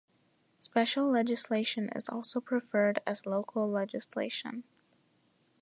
"Special legislation" is also preferred as "Local legislation".